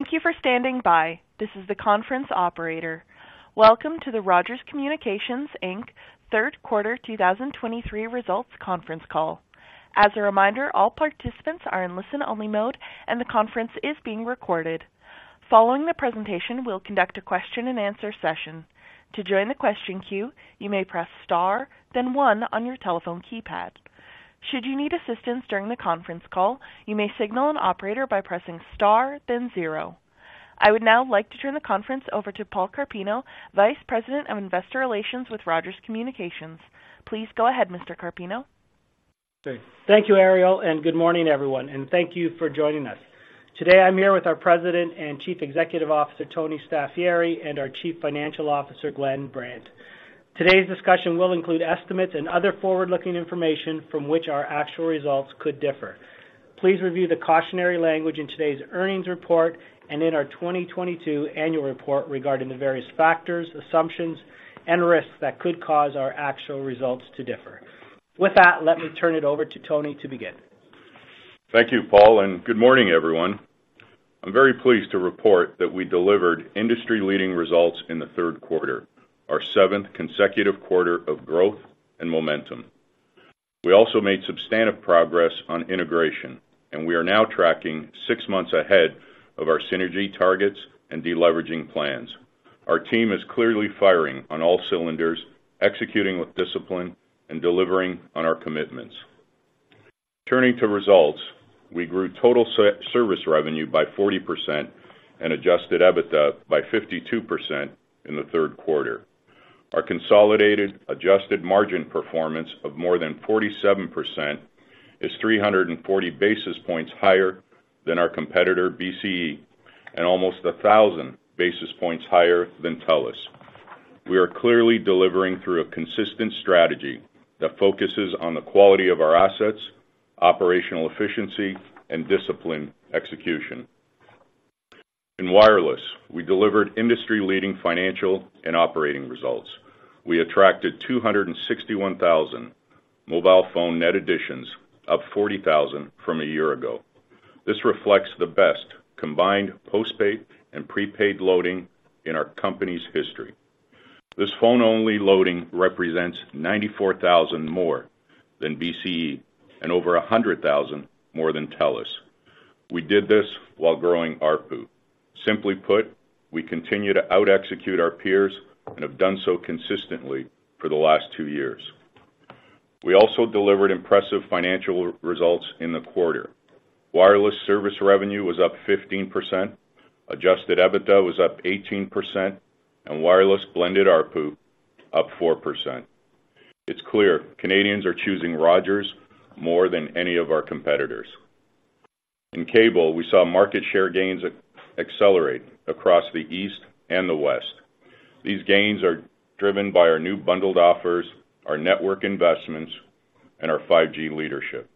Thank you for standing by. This is the conference operator. Welcome to the Rogers Communications Inc. Third Quarter 2023 Results Conference Call. As a reminder, all participants are in listen-only mode, and the conference is being recorded. Following the presentation, we'll conduct a question-and-answer session. To join the question queue, you may press Star, then one on your telephone keypad. Should you need assistance during the conference call, you may signal an operator by pressing Star, then zero. I would now like to turn the conference over to Paul Carpino, Vice President of Investor Relations with Rogers Communications. Please go ahead, Mr. Carpino. Thank you, Ariel, and good morning, everyone, and thank you for joining us. Today, I'm here with our President and Chief Executive Officer, Tony Staffieri, and our Chief Financial Officer, Glenn Brandt. Today's discussion will include estimates and other forward-looking information from which our actual results could differ. Please review the cautionary language in today's earnings report and in our 2022 annual report regarding the various factors, assumptions, and risks that could cause our actual results to differ. With that, let me turn it over to Tony to begin. Thank you, Paul, and good morning, everyone. I'm very pleased to report that we delivered industry-leading results in the third quarter, our seventh consecutive quarter of growth and momentum. We also made substantive progress on integration, and we are now tracking six months ahead of our synergy targets and deleveraging plans. Our team is clearly firing on all cylinders, executing with discipline, and delivering on our commitments. Turning to results, we grew total service revenue by 40%, and Adjusted EBITDA by 52%, in the third quarter. Our consolidated adjusted margin performance of more than 47%, is 340 basis points higher than our competitor, BCE, and almost 1,000 basis points higher than TELUS. We are clearly delivering through a consistent strategy that focuses on the quality of our assets, operational efficiency, and disciplined execution. In wireless, we delivered industry-leading financial and operating results. We attracted 261,000 mobile phone net additions, up 40,000 from a year ago. This reflects the best combined postpaid and prepaid loading in our company's history. This phone-only loading represents 94,000 more than BCE and over 100,000 more than TELUS. We did this while growing ARPU. Simply put, we continue to out execute our peers and have done so consistently for the last 2 years. We also delivered impressive financial results in the quarter. Wireless service revenue was up 15%, Adjusted EBITDA was up 18%, and wireless blended ARPU up 4%. It's clear Canadians are choosing Rogers more than any of our competitors. In cable, we saw market share gains accelerate across the East and the West. These gains are driven by our new bundled offers, our network investments, and our 5G leadership.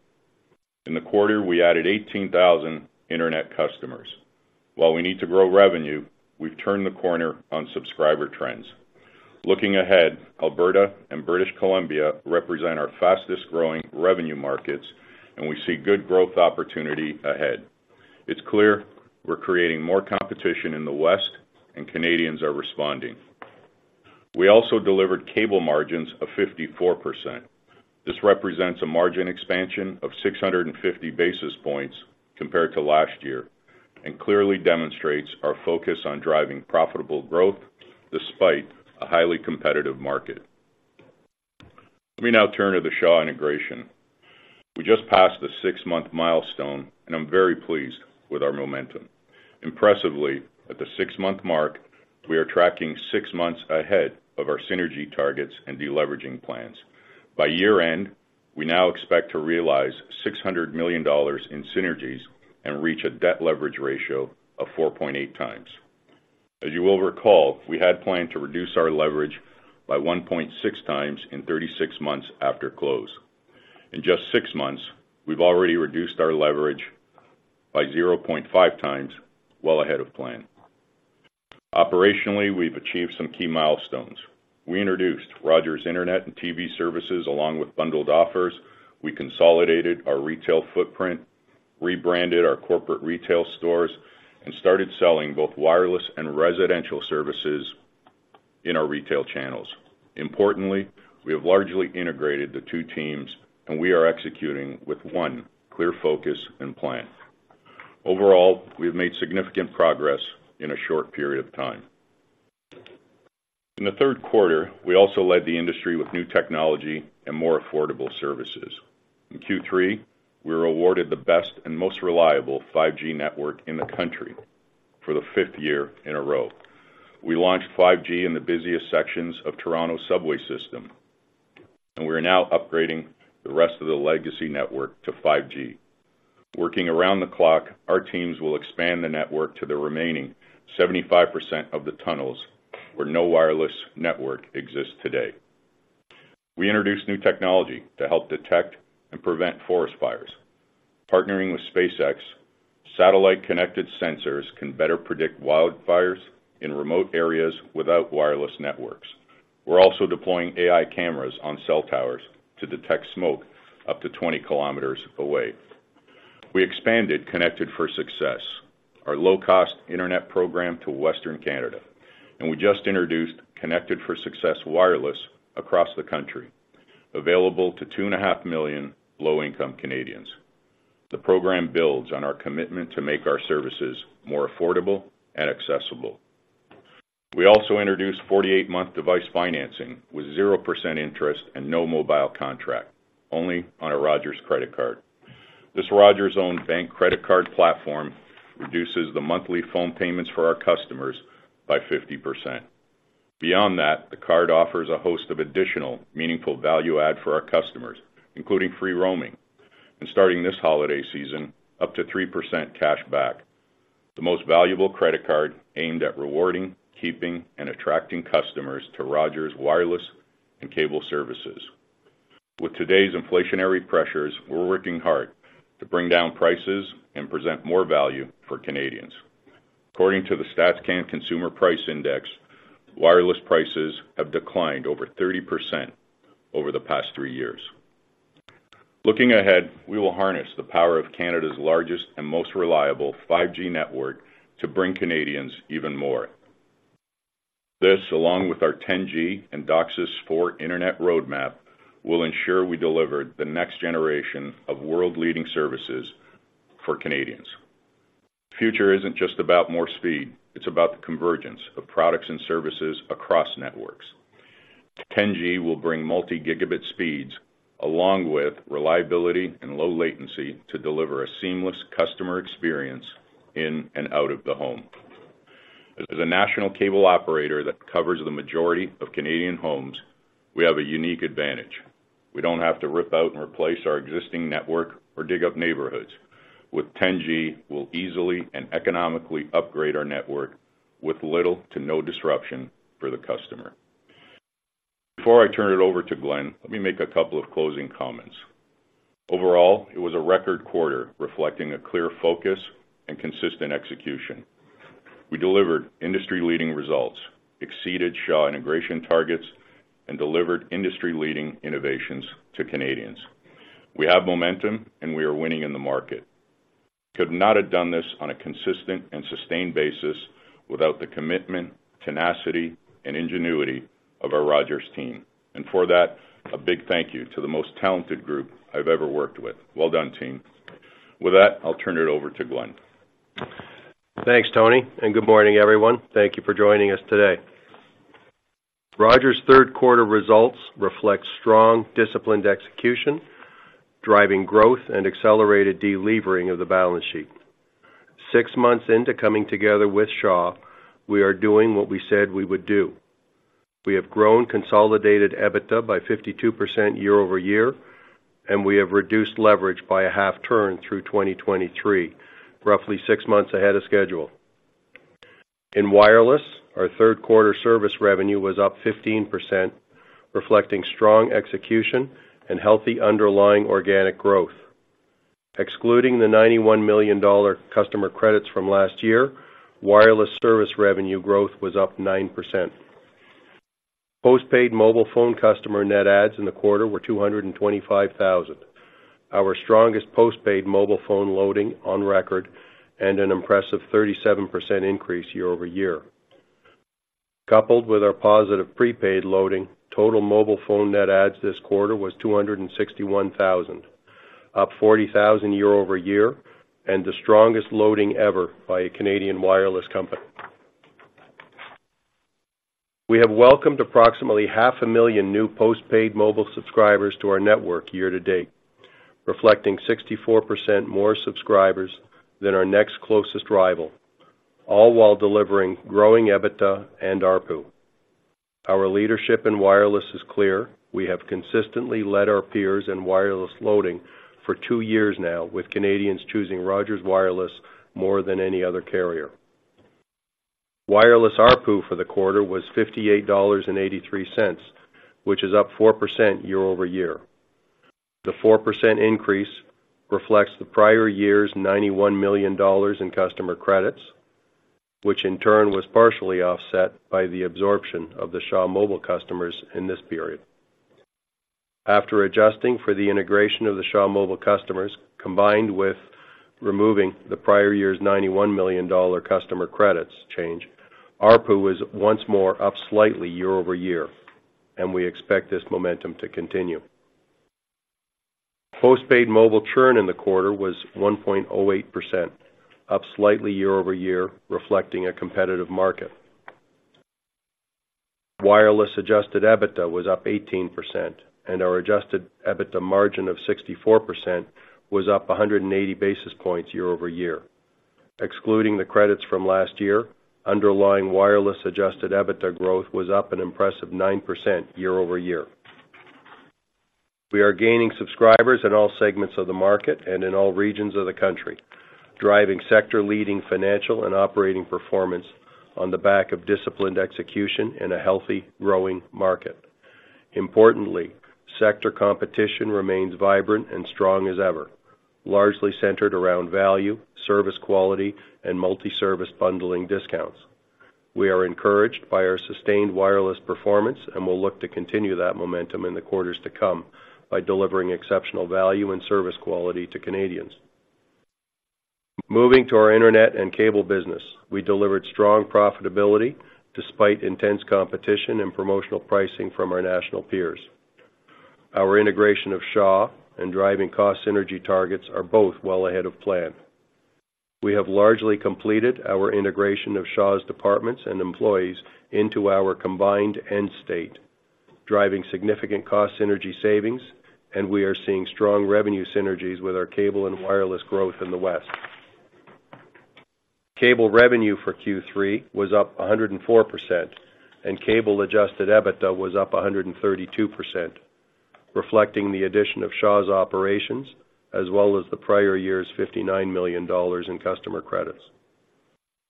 In the quarter, we added 18,000 internet customers. While we need to grow revenue, we've turned the corner on subscriber trends. Looking ahead, Alberta and British Columbia represent our fastest-growing revenue markets, and we see good growth opportunity ahead. It's clear we're creating more competition in the West, and Canadians are responding. We also delivered cable margins of 54%. This represents a margin expansion of 650 basis points compared to last year and clearly demonstrates our focus on driving profitable growth despite a highly competitive market. Let me now turn to the Shaw integration. We just passed the six-month milestone, and I'm very pleased with our momentum. Impressively, at the six-month mark, we are tracking six months ahead of our synergy targets and deleveraging plans. By year-end, we now expect to realize 600 million dollars in synergies and reach a debt leverage ratio of 4.8 times. As you will recall, we had planned to reduce our leverage by 1.6 times in 36 months after close. In just 6 months, we've already reduced our leverage by 0.5 times, well ahead of plan. Operationally, we've achieved some key milestones. We introduced Rogers Internet and TV services, along with bundled offers. We consolidated our retail footprint, rebranded our corporate retail stores, and started selling both wireless and residential services in our retail channels. Importantly, we have largely integrated the two teams, and we are executing with one clear focus and plan. Overall, we've made significant progress in a short period of time. In the third quarter, we also led the industry with new technology and more affordable services. In Q3, we were awarded the best and most reliable 5G network in the country for the fifth year in a row. We launched 5G in the busiest sections of Toronto subway system, and we are now upgrading the rest of the legacy network to 5G. Working around the clock, our teams will expand the network to the remaining 75%, of the tunnels where no wireless network exists today. We introduced new technology to help detect and prevent forest fires. Partnering with SpaceX, satellite-connected sensors can better predict wildfires in remote areas without wireless networks. We're also deploying AI cameras on cell towers to detect smoke up to 20 km away. We expanded Connected for Success, our low-cost internet program, to Western Canada, and we just introduced Connected for Success Wireless across the country, available to 2.5 million low-income Canadians. The program builds on our commitment to make our services more affordable and accessible. We also introduced 48-month device financing with 0% interest and no mobile contract, only on a Rogers credit card. This Rogers-owned bank credit card platform reduces the monthly phone payments for our customers by 50%. Beyond that, the card offers a host of additional meaningful value add for our customers, including free roaming, and starting this holiday season, up to 3% cashback. The most valuable credit card aimed at rewarding, keeping, and attracting customers to Rogers Wireless and cable services. With today's inflationary pressures, we're working hard to bring down prices and present more value for Canadians. According to the StatsCan Consumer Price Index, wireless prices have declined over 30% over the past three years. Looking ahead, we will harness the power of Canada's largest and most reliable 5G network to bring Canadians even more. This, along with our 10G and DOCSIS 4 internet roadmap, will ensure we deliver the next generation of world-leading services for Canadians. Future isn't just about more speed, it's about the convergence of products and services across networks. 10G will bring multi-gigabit speeds along with reliability and low latency to deliver a seamless customer experience in and out of the home. As a national cable operator that covers the majority of Canadian homes, we have a unique advantage. We don't have to rip out and replace our existing network or dig up neighborhoods. With 10G, we'll easily and economically upgrade our network with little to no disruption for the customer. Before I turn it over to Glenn, let me make a couple of closing comments. Overall, it was a record quarter reflecting a clear focus and consistent execution. We delivered industry-leading results, exceeded Shaw integration targets, and delivered industry-leading innovations to Canadians. We have momentum and we are winning in the market. Could not have done this on a consistent and sustained basis without the commitment, tenacity, and ingenuity of our Rogers team. And for that, a big thank you to the most talented group I've ever worked with. Well done, team. With that, I'll turn it over to Glenn. Thanks, Tony, and good morning, everyone. Thank you for joining us today. Rogers' third quarter results reflect strong, disciplined execution, driving growth and accelerated delevering of the balance sheet. Six months into coming together with Shaw, we are doing what we said we would do. We have grown consolidated EBITDA by 52% year-over-year, and we have reduced leverage by a half turn through 2023, roughly six months ahead of schedule. In wireless, our third quarter service revenue was up 15%, reflecting strong execution and healthy underlying organic growth. Excluding the 91 million dollar customer credits from last year, wireless service revenue growth was up 9%. Postpaid mobile phone customer net adds in the quarter were 225,000. Our strongest postpaid mobile phone loading on record and an impressive 37% increase year-over-year. Coupled with our positive prepaid loading, total mobile phone net adds this quarter was 261,000, up 40,000 year-over-year, and the strongest loading ever by a Canadian wireless company. We have welcomed approximately 500,000 new postpaid mobile subscribers to our network year to date, reflecting 64%, more subscribers than our next closest rival, all while delivering growing EBITDA and ARPU. Our leadership in wireless is clear. We have consistently led our peers in wireless loading for 2 years now, with Canadians choosing Rogers Wireless more than any other carrier. Wireless ARPU for the quarter was 58.83 dollars, which is up 4% year-over-year. The 4%, increase reflects the prior year's 91 million dollars in customer credits, which in turn was partially offset by the absorption of the Shaw Mobile customers in this period. After adjusting for the integration of the Shaw Mobile customers, combined with removing the prior year's 91 million dollar customer credits change, ARPU is once more up slightly year-over-year, and we expect this momentum to continue. Postpaid mobile churn in the quarter was 1.08%, up slightly year-over-year, reflecting a competitive market. Wireless Adjusted EBITDA was up 18%, and our Adjusted EBITDA margin of 64%, was up 180 basis points year-over-year. Excluding the credits from last year, underlying wireless Adjusted EBITDA growth was up an impressive 9% year-over-year. We are gaining subscribers in all segments of the market and in all regions of the country, driving sector-leading financial and operating performance on the back of disciplined execution in a healthy, growing market.... Importantly, sector competition remains vibrant and strong as ever, largely centered around value, service quality, and multi-service bundling discounts. We are encouraged by our sustained wireless performance, and we'll look to continue that momentum in the quarters to come by delivering exceptional value and service quality to Canadians. Moving to our internet and cable business, we delivered strong profitability despite intense competition and promotional pricing from our national peers. Our integration of Shaw and driving cost synergy targets are both well ahead of plan. We have largely completed our integration of Shaw's departments and employees into our combined end state, driving significant cost synergy savings, and we are seeing strong revenue synergies with our cable and wireless growth in the West. Cable revenue for Q3 was up 104%, and cable Adjusted EBITDA was up 132%, reflecting the addition of Shaw's operations, as well as the prior year's 59 million dollars in customer credits.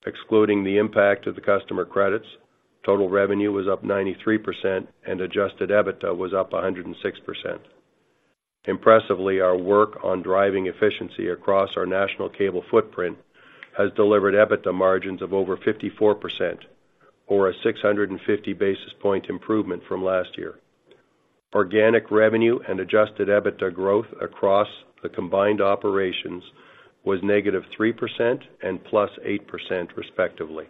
Excluding the impact of the customer credits, total revenue was up 93% and Adjusted EBITDA was up 106%. Impressively, our work on driving efficiency across our national cable footprint has delivered EBITDA margins of over 54% or a 650 basis point improvement from last year. Organic revenue and Adjusted EBITDA growth across the combined operations was -3% and +8%, respectively.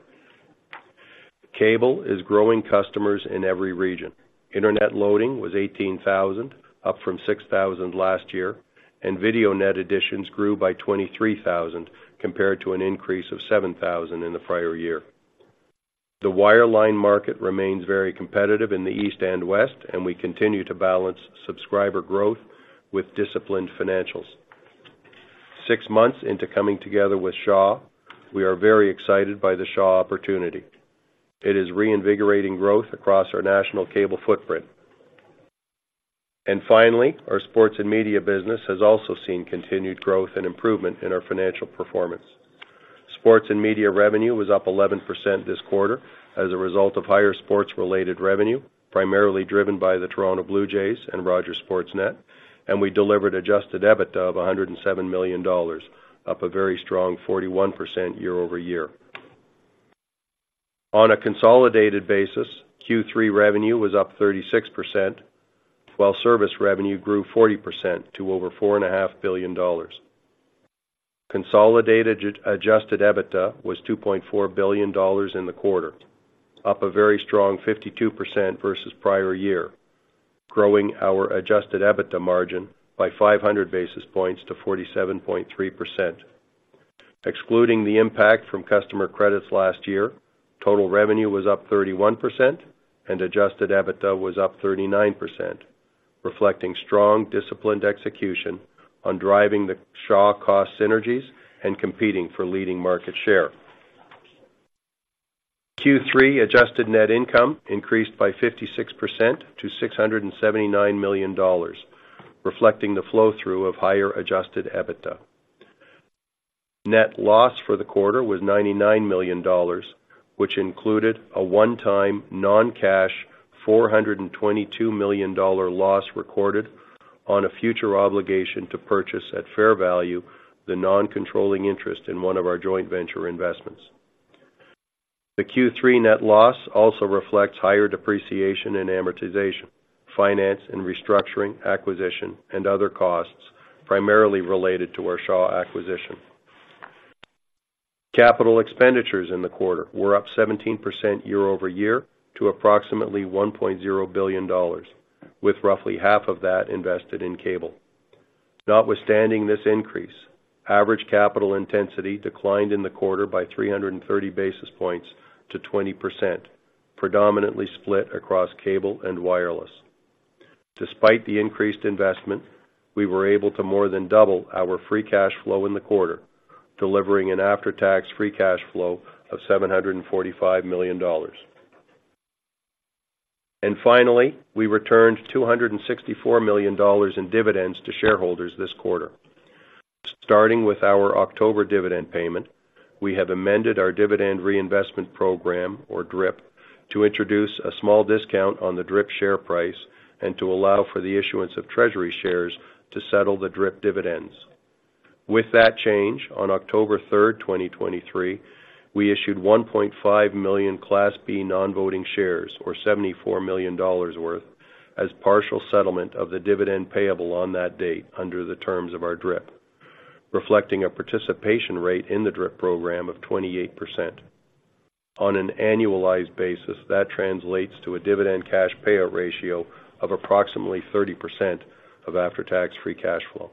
Cable is growing customers in every region. Internet loading was 18,000, up from 6,000 last year, and video net additions grew by 23,000, compared to an increase of 7,000 in the prior year. The wireline market remains very competitive in the East and West, and we continue to balance subscriber growth with disciplined financials. 6 months into coming together with Shaw, we are very excited by the Shaw opportunity. It is reinvigorating growth across our national cable footprint. And finally, our sports and media business has also seen continued growth and improvement in our financial performance. Sports and media revenue was up 11% this quarter as a result of higher sports-related revenue, primarily driven by the Toronto Blue Jays and Rogers Sportsnet, and we delivered Adjusted EBITDA of 107 million dollars, up a very strong 41% year-over-year. On a consolidated basis, Q3 revenue was up 36%, while service revenue grew 40% to over 4.5 billion dollars. Consolidated Adjusted EBITDA was 2.4 billion dollars in the quarter, up a very strong 52% versus prior year, growing our Adjusted EBITDA margin by 500 basis points to 47.3%. Excluding the impact from customer credits last year, total revenue was up 31% and Adjusted EBITDA was up 39%, reflecting strong, disciplined execution on driving the Shaw cost synergies and competing for leading market share. Q3 adjusted net income increased by 56%, to 679 million dollars, reflecting the flow-through of higher Adjusted EBITDA. Net loss for the quarter was 99 million dollars, which included a one-time, non-cash 422 million-dollar loss recorded on a future obligation to purchase, at fair value, the non-controlling interest in one of our joint venture investments. The Q3 net loss also reflects higher depreciation and amortization, finance and restructuring, acquisition, and other costs, primarily related to our Shaw acquisition. Capital expenditures in the quarter were up 17%, year-over-year to approximately 1.0 billion dollars, with roughly half of that invested in cable. Notwithstanding this increase, average capital intensity declined in the quarter by 330 basis points to 20%, predominantly split across cable and wireless. Despite the increased investment, we were able to more than double our free cash flow in the quarter, delivering an after-tax free cash flow of 745 million dollars. And finally, we returned 264 million dollars in dividends to shareholders this quarter. Starting with our October dividend payment, we have amended our dividend reinvestment program, or DRIP, to introduce a small discount on the DRIP share price and to allow for the issuance of treasury shares to settle the DRIP dividends. With that change, on October 3rd, 2023, we issued 1.5 million Class B non-voting shares, or 74 million dollars worth, as partial settlement of the dividend payable on that date under the terms of our DRIP, reflecting a participation rate in the DRIP program of 28%. On an annualized basis, that translates to a dividend cash payout ratio of approximately 30%, of after-tax free cash flow.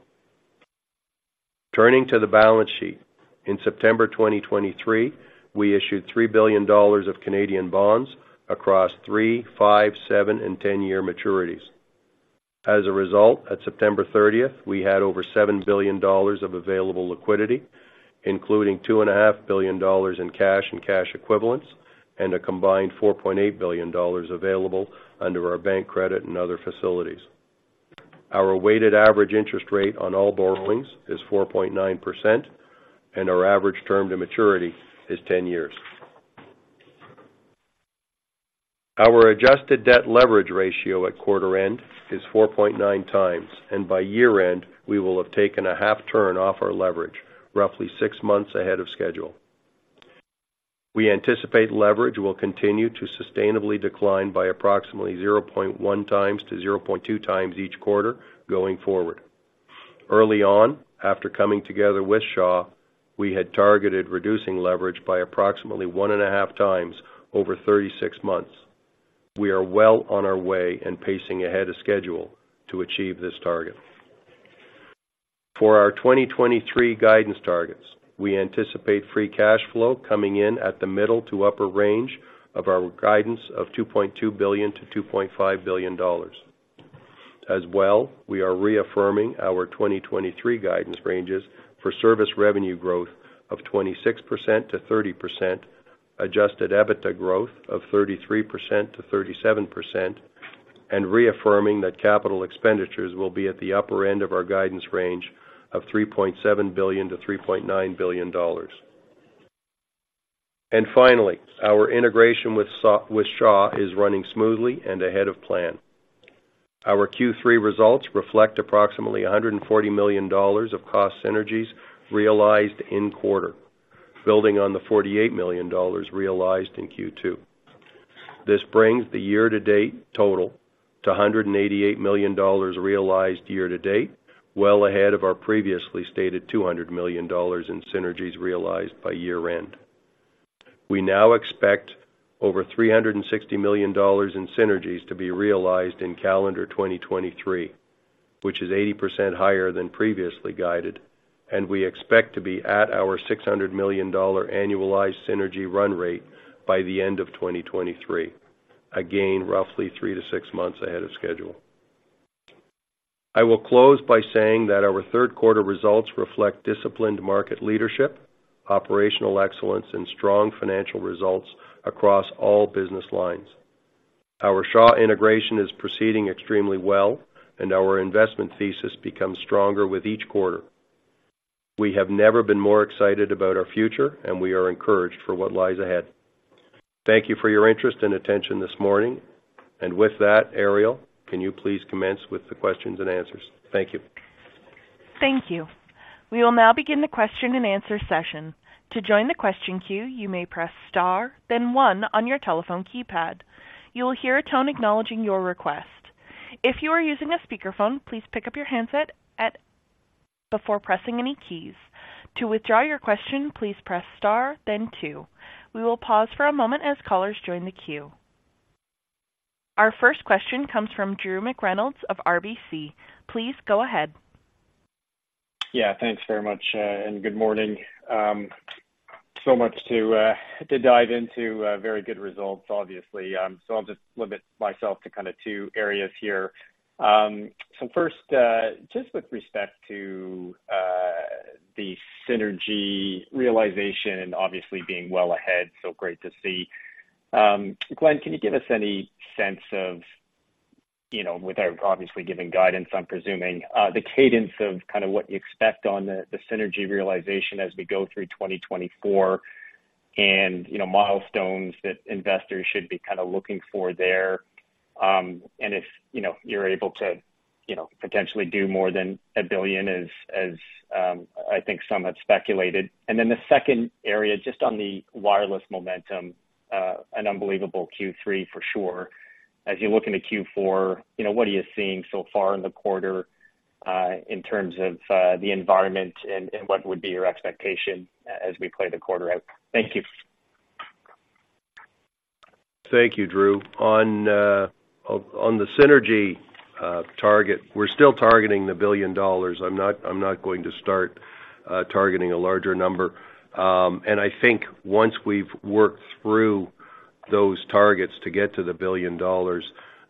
Turning to the balance sheet, in September 2023, we issued 3 billion dollars of Canadian bonds across three, five, seven, and ten-year maturities. As a result, at September 30, we had over 7 billion dollars of available liquidity, including 2.5 billion dollars in cash and cash equivalents, and a combined 4.8 billion dollars available under our bank credit and other facilities. Our weighted average interest rate on all borrowings is 4.9%, and our average term to maturity is 10 years. Our adjusted debt leverage ratio at quarter end is 4.9 times, and by year-end, we will have taken 0.5 turn off our leverage, roughly 6 months ahead of schedule. We anticipate leverage will continue to sustainably decline by approximately 0.1-0.2 times each quarter going forward. Early on, after coming together with Shaw, we had targeted reducing leverage by approximately 1.5 times over 36 months. We are well on our way and pacing ahead of schedule to achieve this target. For our 2023 guidance targets, we anticipate free cash flow coming in at the middle to upper range of our guidance of 2.2 billion-2.5 billion dollars. As well, we are reaffirming our 2023 guidance ranges for service revenue growth of 26%-30%, Adjusted EBITDA growth of 33%-37%, and reaffirming that capital expenditures will be at the upper end of our guidance range of 3.7 billion-3.9 billion dollars. Finally, our integration with Shaw is running smoothly and ahead of plan. Our Q3 results reflect approximately 140 million dollars of cost synergies realized in quarter, building on the 48 million dollars realized in Q2. This brings the year-to-date total to 188 million dollars realized year to date, well ahead of our previously stated 200 million dollars in synergies realized by year-end. We now expect over 360 million dollars in synergies to be realized in calendar 2023, which is 80%, higher than previously guided, and we expect to be at our 600 million dollar annualized synergy run rate by the end of 2023. Again, roughly three to six months ahead of schedule. I will close by saying that our third quarter results reflect disciplined market leadership, operational excellence, and strong financial results across all business lines. Our Shaw integration is proceeding extremely well, and our investment thesis becomes stronger with each quarter. We have never been more excited about our future, and we are encouraged for what lies ahead. Thank you for your interest and attention this morning. With that, Ariel, can you please commence with the questions and answers? Thank you. Thank you. We will now begin the question and answer session. To join the question queue, you may press star, then one on your telephone keypad. You will hear a tone acknowledging your request. If you are using a speakerphone, please pick up your handset before pressing any keys. To withdraw your question, please press star, then two. We will pause for a moment as callers join the queue. Our first question comes from Drew McReynolds of RBC. Please go ahead. Yeah, thanks very much, and good morning. So much to dive into, very good results, obviously. So I'll just limit myself to kinda two areas here. So first, just with respect to the synergy realization and obviously being well ahead, so great to see. Glen, can you give us any sense of, you know, without obviously giving guidance, I'm presuming, the cadence of kind of what you expect on the synergy realization as we go through 2024, and, you know, milestones that investors should be kinda looking for there, and if, you know, you're able to, you know, potentially do more than 1 billion as, as, I think some had speculated. And then the second area, just on the wireless momentum, an unbelievable Q3 for sure. As you look into Q4, you know, what are you seeing so far in the quarter, in terms of, the environment and, and what would be your expectation as we play the quarter out? Thank you. Thank you, Drew. On the synergy target, we're still targeting 1 billion dollars. I'm not going to start targeting a larger number. And I think once we've worked through those targets to get to 1 billion dollars,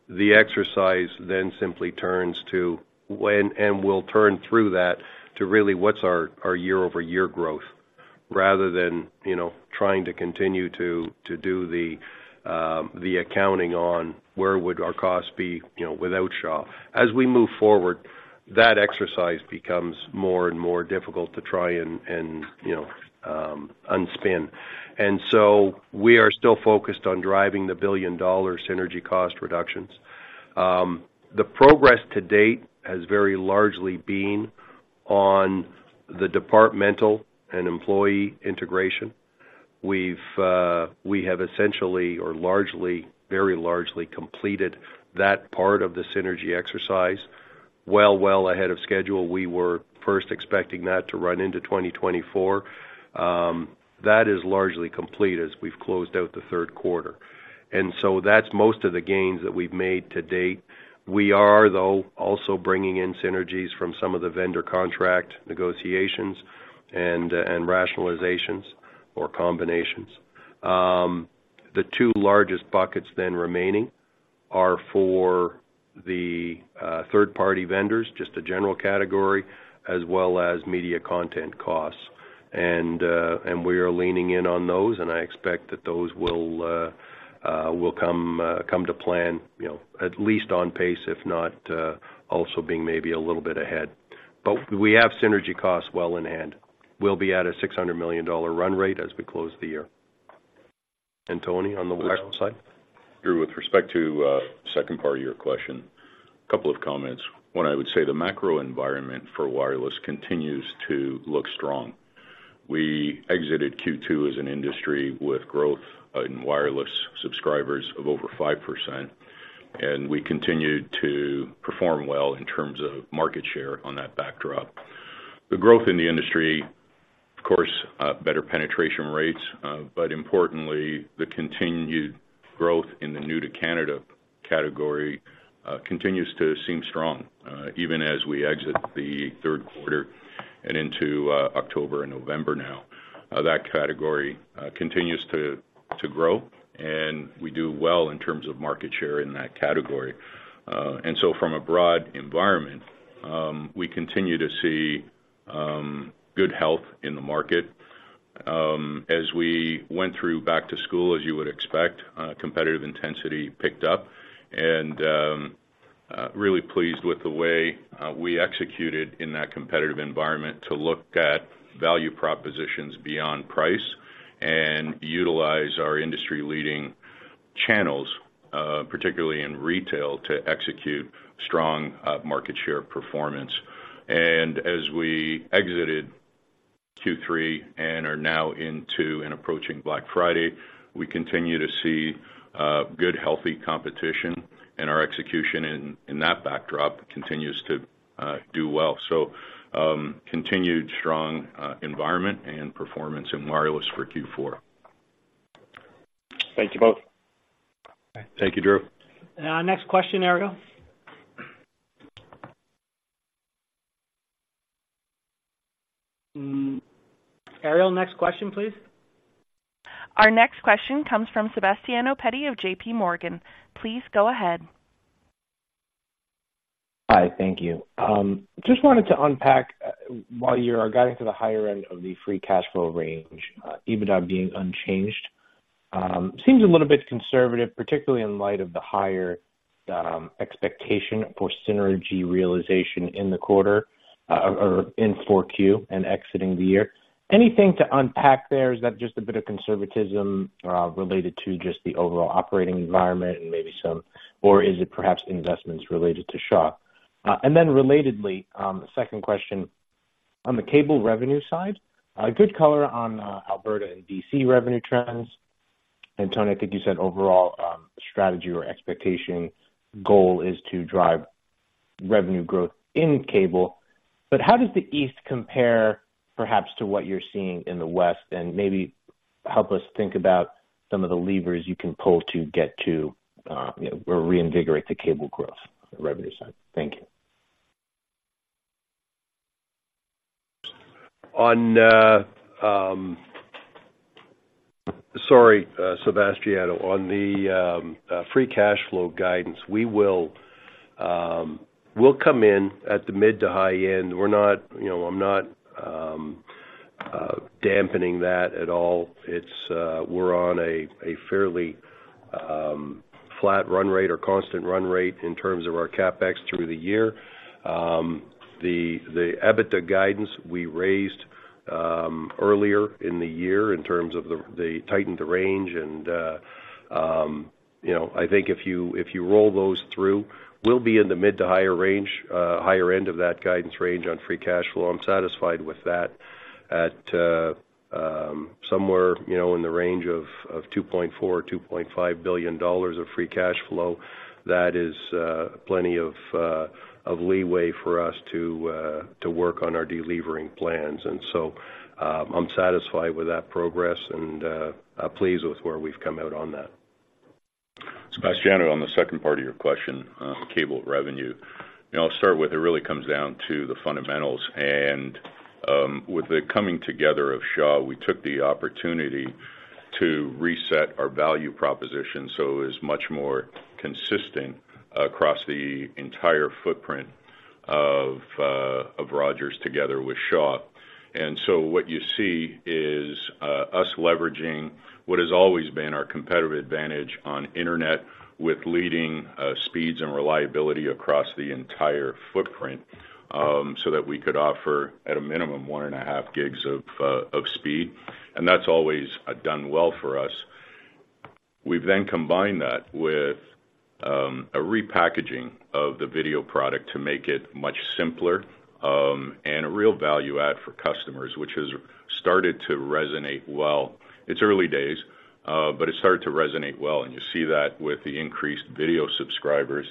the exercise then simply turns to when, and we'll turn through that, to really what's our year-over-year growth, rather than you know, trying to continue to do the accounting on where would our costs be, you know, without Shaw. As we move forward, that exercise becomes more and more difficult to try and you know, unspin. And so we are still focused on driving the 1 billion-dollar synergy cost reductions. The progress to date has very largely been on the departmental and employee integration. We have essentially or largely, very largely completed that part of the synergy exercise, well, well ahead of schedule. We were first expecting that to run into 2024. That is largely complete as we've closed out the third quarter, and so that's most of the gains that we've made to date. We are, though, also bringing in synergies from some of the vendor contract negotiations and rationalizations or combinations. The two largest buckets then remaining are for the third-party vendors, just a general category, as well as media content costs and we are leaning in on those, and I expect that those will come to plan, you know, at least on pace, if not also being maybe a little bit ahead. But we have synergy costs well in hand. We'll be at a 600 million dollar run rate as we close the year. Tony, on the wireless side? Drew, with respect to, second part of your question, a couple of comments. One, I would say the macro environment for wireless continues to look strong. We exited Q2 as an industry with growth in wireless subscribers of over 5%, and we continued to perform well in terms of market share on that backdrop. The growth in the industry, of course, better penetration rates, but importantly, the continued growth in the new to Canada category, continues to seem strong, even as we exit the third quarter and into, October and November now. That category, continues to, to grow, and we do well in terms of market share in that category. And so from a broad environment, we continue to see, good health in the market. As we went through back to school, as you would expect, competitive intensity picked up, and really pleased with the way we executed in that competitive environment to look at value propositions beyond price and utilize our industry-leading channels, particularly in retail, to execute strong market share performance. And as we exited Q3 and are now into and approaching Black Friday, we continue to see good, healthy competition, and our execution in that backdrop continues to do well. So, continued strong environment and performance in wireless for Q4. Thank you both. Thank you, Drew. Next question, Ariel. Ariel, next question, please. Our next question comes from Sebastiano Petti of JP Morgan. Please go ahead. Hi, thank you. Just wanted to unpack, while you are guiding to the higher end of the free cash flow range, EBITDA being unchanged, seems a little bit conservative, particularly in light of the higher expectation for synergy realization in the quarter, or in 4Q and exiting the year. Anything to unpack there? Is that just a bit of conservatism, related to just the overall operating environment and maybe some, or is it perhaps investments related to Shaw? Then relatedly, second question: on the cable revenue side, a good color on Alberta and BC revenue trends. Tony, I think you said overall strategy or expectation goal is to drive revenue growth in cable. But how does the East compare, perhaps, to what you're seeing in the West? Maybe help us think about some of the levers you can pull to get to, you know, or reinvigorate the cable growth on the revenue side. Thank you. Sorry, Sebastiano. On the free cash flow guidance, we will, we'll come in at the mid to high end. We're not, you know, I'm not dampening that at all. It's, we're on a, a fairly flat run rate or constant run rate in terms of our CapEx through the year. The EBITDA guidance we raised earlier in the year in terms of the tightened range and, you know, I think if you, if you roll those through, we'll be in the mid to higher range, higher end of that guidance range on free cash flow. I'm satisfied with that at somewhere, you know, in the range of 2.4 billion-2.5 billion dollars of free cash flow. That is plenty of leeway for us to work on our delevering plans. And so, I'm satisfied with that progress and I'm pleased with where we've come out on that. Sebastiano, on the second part of your question, cable revenue. You know, I'll start with it really comes down to the fundamentals, and, with the coming together of Shaw, we took the opportunity to reset our value proposition, so it's much more consistent across the entire footprint of Rogers together with Shaw. And so what you see is, us leveraging what has always been our competitive advantage on internet with leading, speeds and reliability across the entire footprint, so that we could offer, at a minimum, 1.5 gigs of speed. And that's always, done well for us. We've then combined that with, a repackaging of the video product to make it much simpler, and a real value add for customers, which has started to resonate well. It's early days, but it started to resonate well, and you see that with the increased video subscribers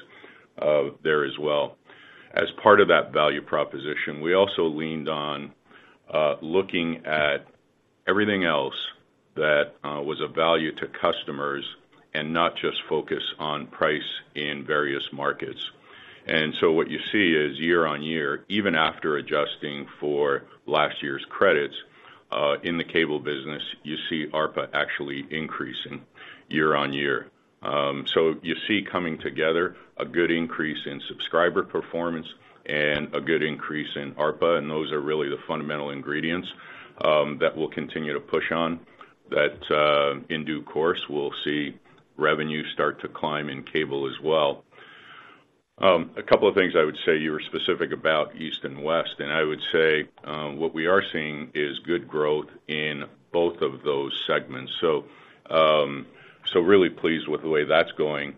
there as well. As part of that value proposition, we also leaned on looking at everything else that was of value to customers and not just focus on price in various markets. And so what you see is year on year, even after adjusting for last year's credits, in the cable business, you see ARPA actually increasing year on year. So you see coming together a good increase in subscriber performance and a good increase in ARPA, and those are really the fundamental ingredients that we'll continue to push on, that in due course, we'll see revenue start to climb in cable as well. A couple of things I would say, you were specific about East and West, and I would say, what we are seeing is good growth in both of those segments. So, so really pleased with the way that's going.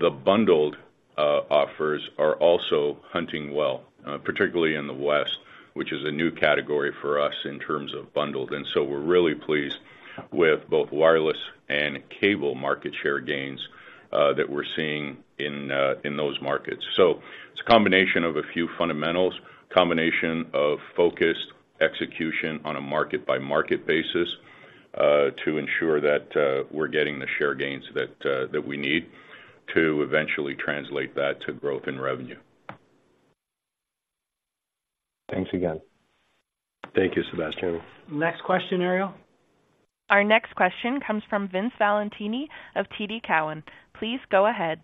The bundled offers are also hunting well, particularly in the West, which is a new category for us in terms of bundled. And so we're really pleased with both wireless and cable market share gains that we're seeing in those markets. So it's a combination of a few fundamentals, combination of focused execution on a market-by-market basis to ensure that we're getting the share gains that we need to eventually translate that to growth in revenue. Thanks again. Thank you, Sebastiano. Next question, Ariel. Our next question comes from Vince Valentini of TD Cowen. Please go ahead.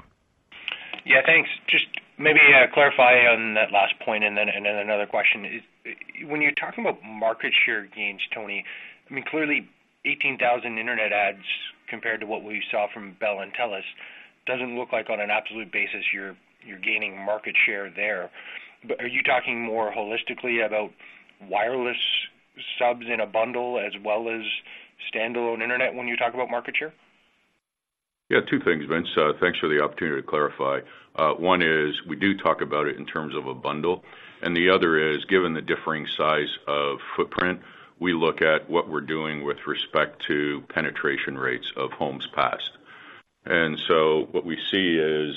Yeah, thanks. Just maybe clarify on that last point and then another question. Is when you're talking about market share gains, Tony, I mean, clearly, 18,000 internet adds compared to what we saw from Bell and TELUS, doesn't look like on an absolute basis, you're gaining market share there. But are you talking more holistically about wireless subs in a bundle as well as standalone internet when you talk about market share? Yeah, two things, Vince. Thanks for the opportunity to clarify. One is, we do talk about it in terms of a bundle, and the other is, given the differing size of footprint, we look at what we're doing with respect to penetration rates of homes passed. And so what we see is,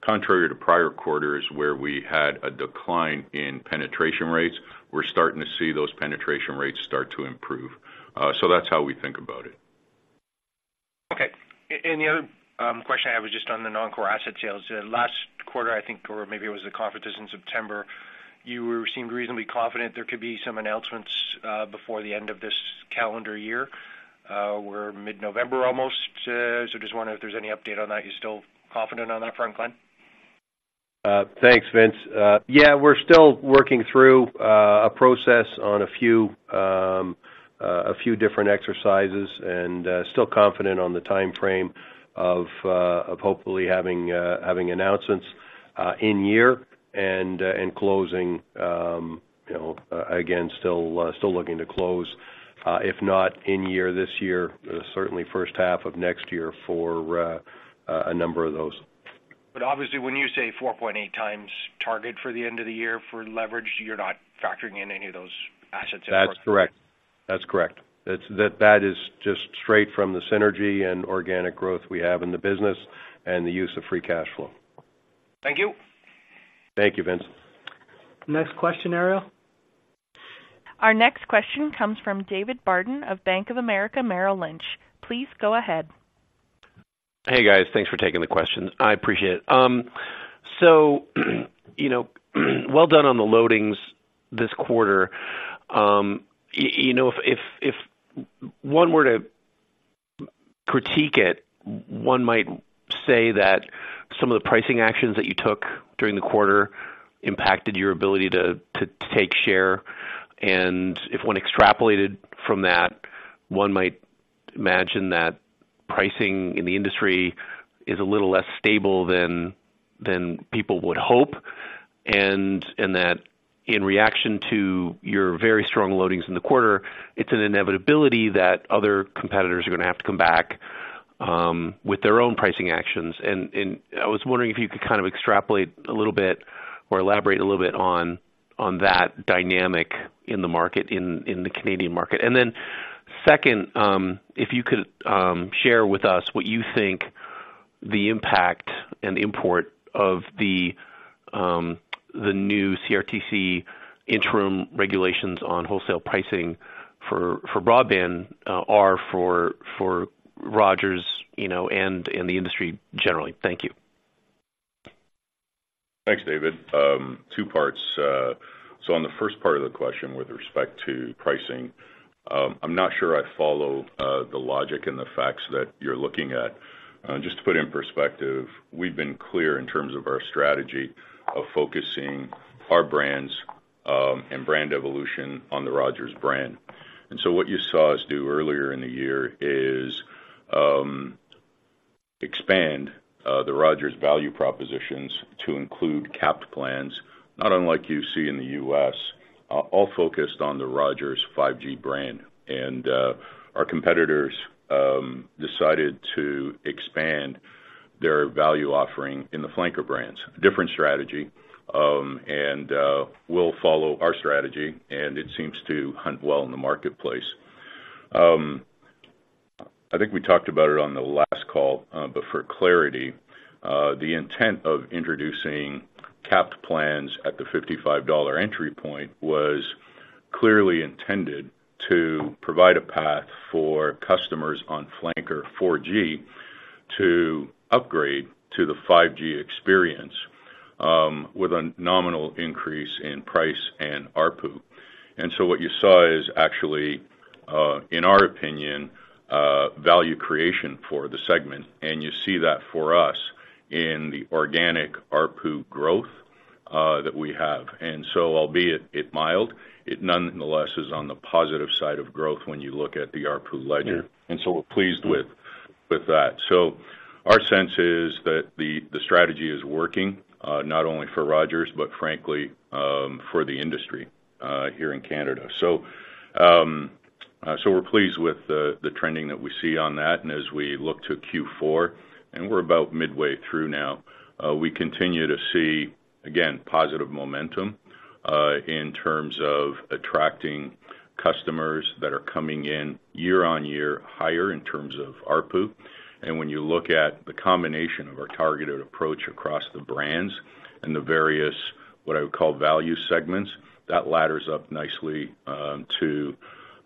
contrary to prior quarters, where we had a decline in penetration rates, we're starting to see those penetration rates start to improve. So that's how we think about it. Okay. And the other question I have is just on the non-core asset sales. Last quarter, I think, or maybe it was the conference in September, you seemed reasonably confident there could be some announcements before the end of this calendar year. We're mid-November almost, so just wondering if there's any update on that. You're still confident on that front, Glenn? Thanks, Vince. Yeah, we're still working through a process on a few different exercises and still confident on the time frame of hopefully having announcements this year and closing, you know, again, still looking to close if not this year, certainly first half of next year for a number of those. But obviously, when you say 4.8x target for the end of the year for leverage, you're not factoring in any of those assets? That's correct. That's correct. That is just straight from the synergy and organic growth we have in the business and the use of free cash flow. Thank you. Thank you, Vince. Next question, Ariel. Our next question comes from David Barden of Bank of America Merrill Lynch. Please go ahead. Hey, guys. Thanks for taking the questions. I appreciate it. So, you know, well done on the loadings this quarter. You know, if one were to critique it, one might say that some of the pricing actions that you took during the quarter impacted your ability to take share. And if one extrapolated from that, one might imagine that pricing in the industry is a little less stable than people would hope, and that in reaction to your very strong loadings in the quarter, it's an inevitability that other competitors are gonna have to come back with their own pricing actions. And I was wondering if you could kind of extrapolate a little bit or elaborate a little bit on that dynamic in the market, in the Canadian market. And then second, if you could share with us what you think the impact and the import of the new CRTC interim regulations on wholesale pricing for broadband are for Rogers, you know, and the industry generally. Thank you. Thanks, David. Two parts. So on the first part of the question, with respect to pricing, I'm not sure I follow the logic and the facts that you're looking at. Just to put in perspective, we've been clear in terms of our strategy of focusing our brands and brand evolution on the Rogers brand. And so what you saw us do earlier in the year is expand the Rogers value propositions to include capped plans, not unlike you see in the U.S., all focused on the Rogers 5G brand. And our competitors decided to expand their value offering in the flanker brands. Different strategy, and we'll follow our strategy, and it seems to hunt well in the marketplace. I think we talked about it on the last call, but for clarity, the intent of introducing capped plans at the 55 dollar entry point was clearly intended to provide a path for customers on flanker 4G to upgrade to the 5G experience, with a nominal increase in price and ARPU. And so what you saw is actually, in our opinion, value creation for the segment, and you see that for us in the organic ARPU growth that we have. And so albeit it mild, it nonetheless is on the positive side of growth when you look at the ARPU ledger, and so we're pleased with that. So our sense is that the strategy is working, not only for Rogers, but frankly, for the industry here in Canada. So, we're pleased with the trending that we see on that. And as we look to Q4, and we're about midway through now, we continue to see, again, positive momentum in terms of attracting customers that are coming in year-on-year higher in terms of ARPU. And when you look at the combination of our targeted approach across the brands and the various, what I would call value segments, that ladders up nicely to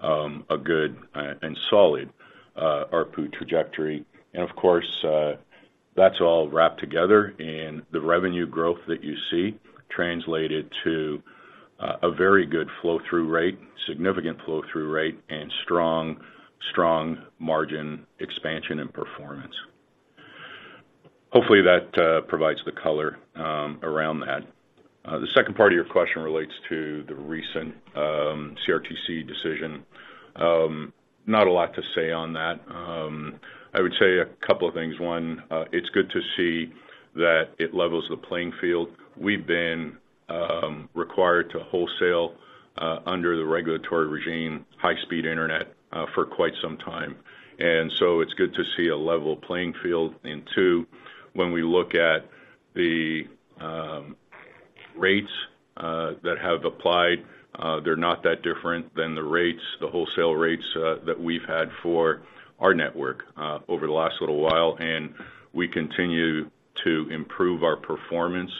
a good and solid ARPU trajectory. And of course, that's all wrapped together in the revenue growth that you see translated to a very good flow-through rate, significant flow-through rate, and strong, strong margin expansion and performance. Hopefully, that provides the color around that. The second part of your question relates to the recent CRTC decision. Not a lot to say on that. I would say a couple of things. One, it's good to see that it levels the playing field. We've been required to wholesale under the regulatory regime, high-speed internet for quite some time. And so it's good to see a level playing field. And two, when we look at the rates that have applied, they're not that different than the rates, the wholesale rates that we've had for our network over the last little while. And we continue to improve our performance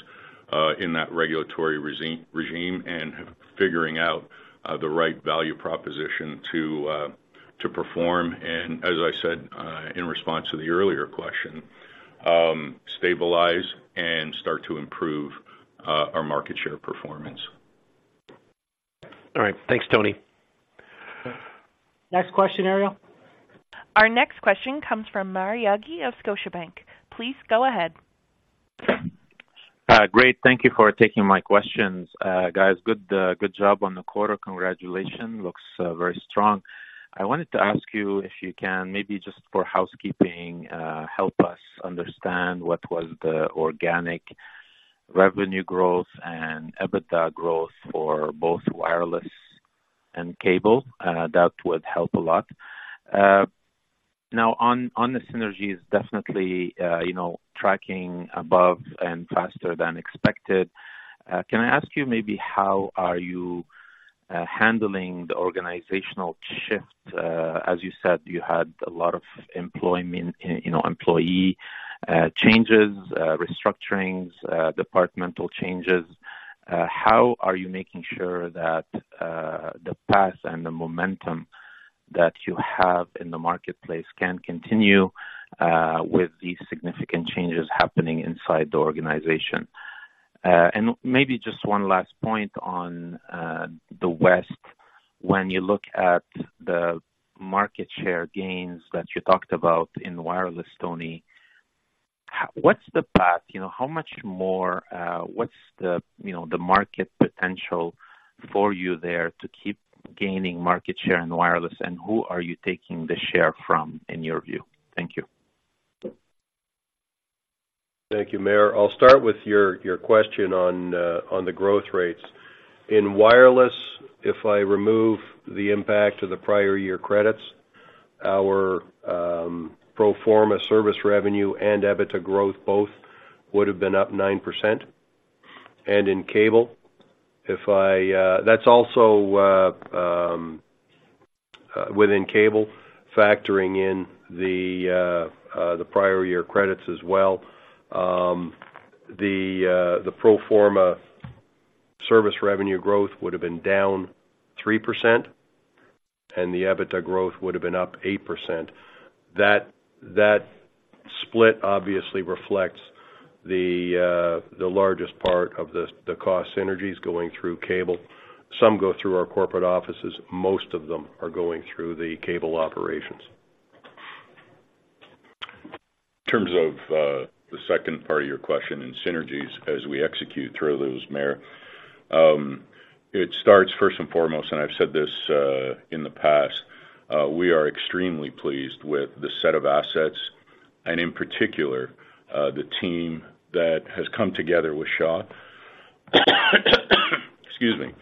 in that regulatory regime and figuring out the right value proposition to perform. And as I said in response to the earlier question, stabilize and start to improve our market share performance. All right. Thanks, Tony. Next question, Ariel. Our next question comes from Maher Yaghi of Scotiabank. Please go ahead. Great. Thank you for taking my questions, guys. Good, good job on the quarter. Congratulations. Looks very strong. I wanted to ask you, if you can, maybe just for housekeeping, help us understand what was the organic revenue growth and EBITDA growth for both wireless and cable. That would help a lot. Now on the synergies, definitely, you know, tracking above and faster than expected. Can I ask you maybe how are you handling the organizational shift? As you said, you had a lot of employment, you know, employee changes, restructurings, departmental changes. How are you making sure that the path and the momentum that you have in the marketplace can continue with these significant changes happening inside the organization? And maybe just one last point on the West. When you look at the market share gains that you talked about in wireless, Tony, what's the path? You know, how much more, what's the, you know, the market potential for you there to keep gaining market share in wireless, and who are you taking the share from, in your view? Thank you. Thank you, Maher. I'll start with your question on the growth rates. In wireless, if I remove the impact of the prior year credits, our pro forma service revenue and EBITDA growth both would have been up 9%. And in cable, if I... That's also within cable, factoring in the prior year credits as well, the pro forma service revenue growth would have been down 3%, and the EBITDA growth would have been up 8%. That split obviously reflects the largest part of the cost synergies going through cable. Some go through our corporate offices, most of them are going through the cable operations. In terms of the second part of your question in synergies, as we execute through those, Maher, it starts first and foremost, and I've said this in the past, we are extremely pleased with the set of assets, and in particular, the team that has come together with Shaw. Excuse me.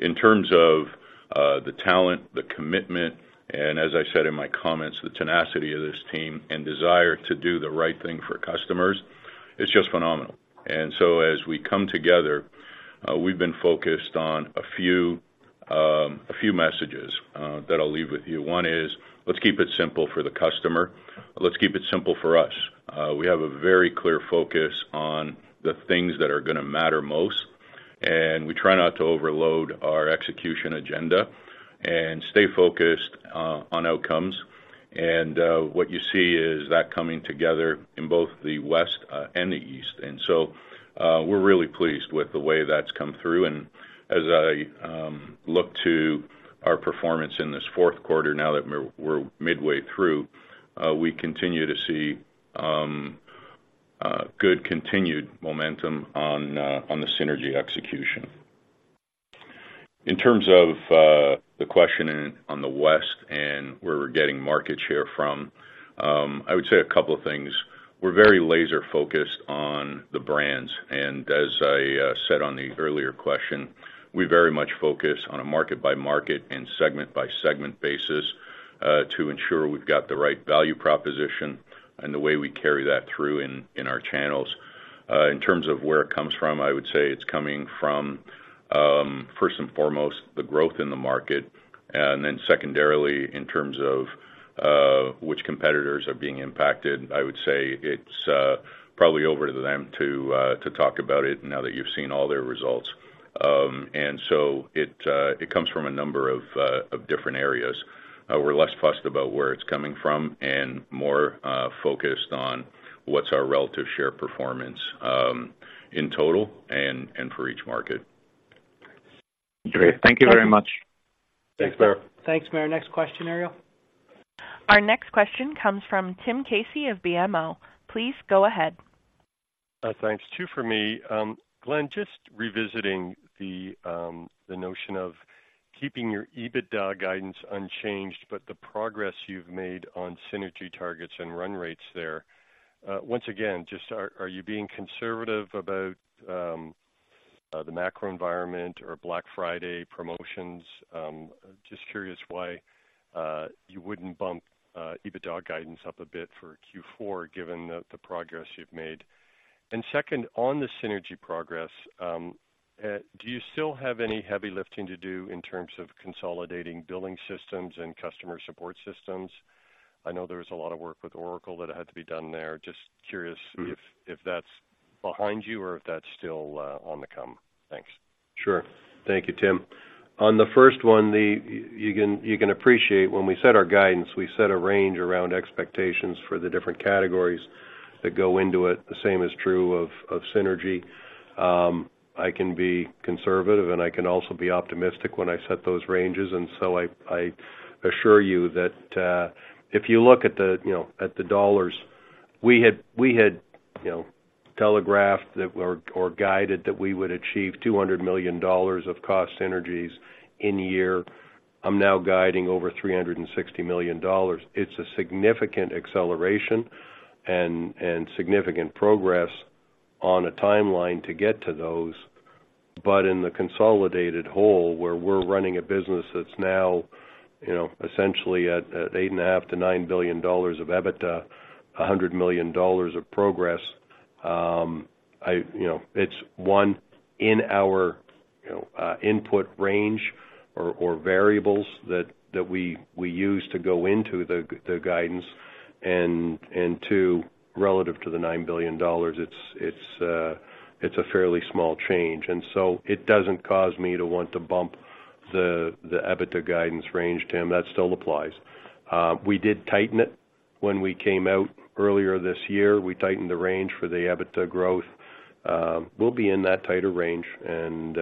In terms of the talent, the commitment, and as I said in my comments, the tenacity of this team and desire to do the right thing for customers, it's just phenomenal. And so as we come together, we've been focused on a few messages that I'll leave with you. One is, let's keep it simple for the customer. Let's keep it simple for us. We have a very clear focus on the things that are gonna matter most, and we try not to overload our execution agenda and stay focused on outcomes. What you see is that coming together in both the West and the East. So, we're really pleased with the way that's come through. As I look to our performance in this fourth quarter, now that we're midway through, we continue to see good continued momentum on the synergy execution. In terms of the question on the West and where we're getting market share from, I would say a couple of things. We're very laser-focused on the brands, and as I said on the earlier question, we very much focus on a market-by-market and segment-by-segment basis, to ensure we've got the right value proposition and the way we carry that through in our channels. In terms of where it comes from, I would say it's coming from, first and foremost, the growth in the market. And then secondarily, in terms of which competitors are being impacted, I would say it's probably over to them to talk about it now that you've seen all their results. And so it comes from a number of different areas. We're less fussed about where it's coming from and more focused on what's our relative share performance, in total and for each market. Great. Thank you very much. Thanks, Maher. Thanks, Maher. Next question, Ariel. Our next question comes from Tim Casey of BMO. Please go ahead. Thanks, two for me. Glenn, just revisiting the notion of keeping your EBITDA guidance unchanged, but the progress you've made on synergy targets and run rates there. Once again, just you being conservative about the macro environment or Black Friday promotions? Just curious why you wouldn't bump EBITDA guidance up a bit for Q4, given the progress you've made. And second, on the synergy progress, do you still have any heavy lifting to do in terms of consolidating billing systems and customer support systems? I know there was a lot of work with Oracle that had to be done there. Just curious- Mm-hmm. if, if that's behind you or if that's still on the come? Thanks. Sure. Thank you, Tim. On the first one, you can appreciate when we set our guidance, we set a range around expectations for the different categories that go into it. The same is true of synergy. I can be conservative, and I can also be optimistic when I set those ranges, and so I assure you that if you look at the, you know, at the dollars, we had, you know, telegraphed that or guided that we would achieve 200 million dollars of cost synergies in the year. I'm now guiding over 360 million dollars. It's a significant acceleration and significant progress on a timeline to get to those. But in the consolidated whole, where we're running a business that's now, you know, essentially at 8.5 billion-9 billion dollars of EBITDA, 100 million dollars of progress, I, you know, it's one in our, you know, input range or variables that we use to go into the guidance, and two, relative to the 9 billion dollars, it's a fairly small change. And so it doesn't cause me to want to bump the EBITDA guidance range, Tim. That still applies. We did tighten it when we came out earlier this year. We tightened the range for the EBITDA growth. We'll be in that tighter range, and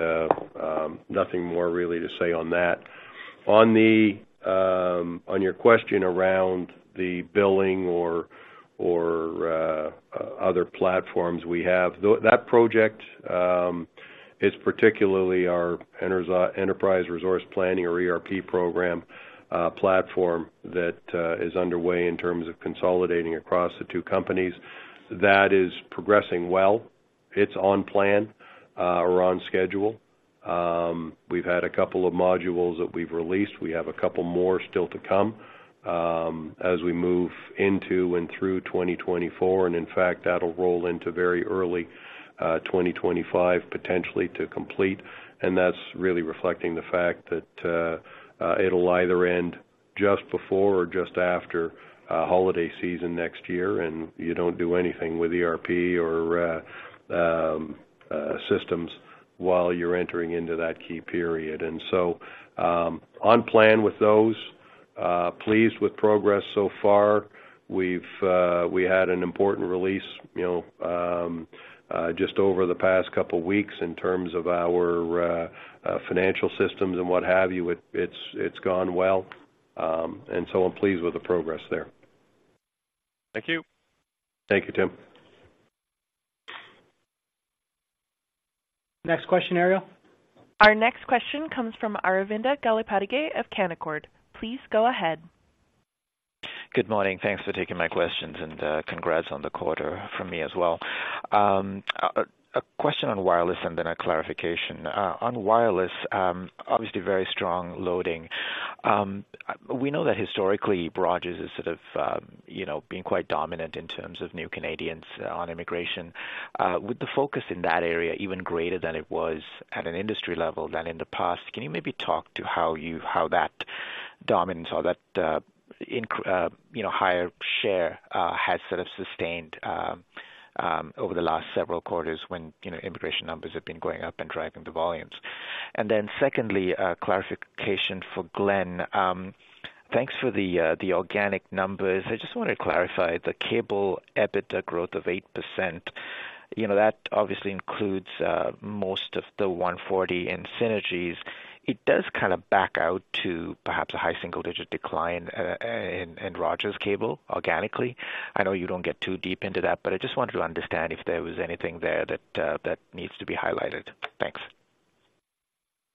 nothing more really to say on that. On your question around the billing or other platforms we have, that project is particularly our Enterprise Resource Planning or ERP program platform that is underway in terms of consolidating across the two companies. That is progressing well. It's on plan or on schedule. We've had a couple of modules that we've released. We have a couple more still to come as we move into and through 2024, and in fact, that'll roll into very early 2025, potentially to complete. And that's really reflecting the fact that it'll either end just before or just after holiday season next year, and you don't do anything with ERP or systems while you're entering into that key period. And so, on plan with those, pleased with progress so far. We had an important release, you know, just over the past couple weeks in terms of our financial systems and what have you. It's gone well, and so I'm pleased with the progress there. Thank you. Thank you, Tim. Next question, Ariel. Our next question comes from Aravinda Galappatthige of Canaccord. Please go ahead. Good morning. Thanks for taking my questions, and congrats on the quarter from me as well. A question on wireless and then a clarification. On wireless, obviously very strong loading. We know that historically, Rogers is sort of, you know, being quite dominant in terms of new Canadians on immigration. With the focus in that area, even greater than it was at an industry level than in the past, can you maybe talk to how that dominance or that, you know, higher share has sort of sustained over the last several quarters when, you know, immigration numbers have been going up and driving the volumes. And then secondly, a clarification for Glenn. Thanks for the organic numbers. I just wanted to clarify the cable EBITDA growth of 8%, you know, that obviously includes most of the 140 million in synergies. It does kind of back out to perhaps a high single digit decline in Rogers Cable, organically. I know you don't get too deep into that, but I just wanted to understand if there was anything there that needs to be highlighted. Thanks.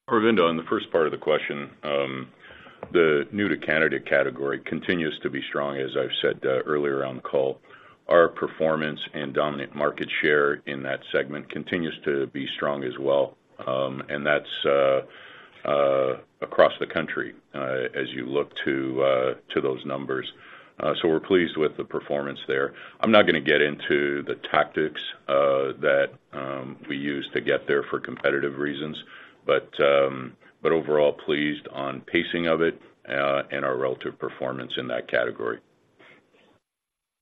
Aravinda, on the first part of the question, the new to Canada category continues to be strong, as I've said, earlier on the call. Our performance and dominant market share in that segment continues to be strong as well, and that's across the country, as you look to those numbers. So we're pleased with the performance there. I'm not gonna get into the tactics that we use to get there for competitive reasons, but overall pleased on pacing of it, and our relative performance in that category.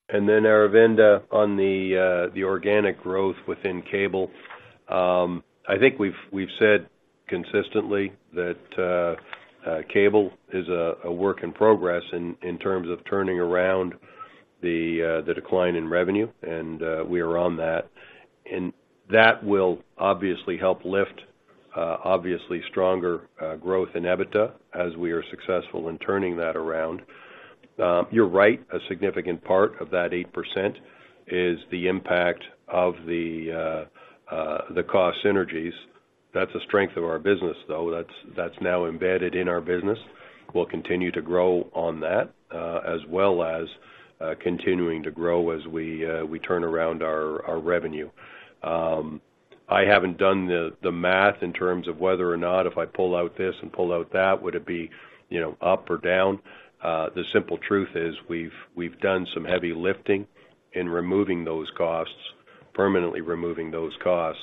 And then, Aravinda, on the organic growth within Cable, I think we've said consistently that Cable is a work in progress in terms of turning around the decline in revenue, and we are on that. That will obviously help lift obviously stronger growth in EBITDA as we are successful in turning that around. You're right, a significant part of that 8% is the impact of the cost synergies. That's a strength of our business, though. That's now embedded in our business. We'll continue to grow on that, as well as continuing to grow as we turn around our revenue. I haven't done the math in terms of whether or not, if I pull out this and pull out that, would it be, you know, up or down? The simple truth is we've done some heavy lifting in removing those costs, permanently removing those costs.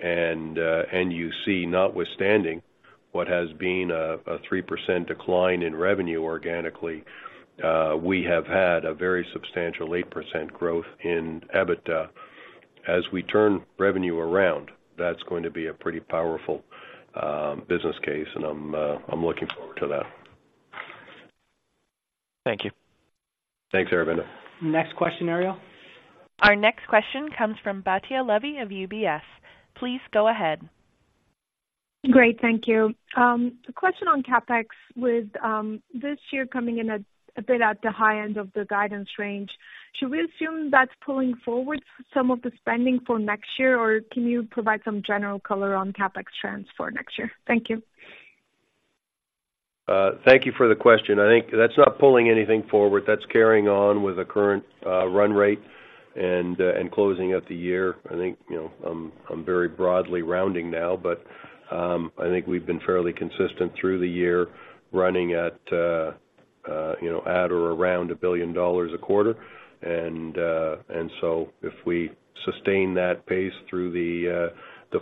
And you see, notwithstanding what has been a 3%, decline in revenue organically, we have had a very substantial 8%, growth in EBITDA. As we turn revenue around, that's going to be a pretty powerful business case, and I'm looking forward to that. Thank you. Thanks, Aravinda. Next question, Ariel. Our next question comes from Batya Levi of UBS. Please go ahead. Great, thank you. A question on CapEx with this year coming in a bit at the high end of the guidance range. Should we assume that's pulling forward some of the spending for next year, or can you provide some general color on CapEx trends for next year? Thank you. Thank you for the question. I think that's not pulling anything forward. That's carrying on with the current run rate and closing out the year. I think, you know, I'm very broadly rounding now, but I think we've been fairly consistent through the year, running at you know, at or around 1 billion dollars a quarter. And so if we sustain that pace through the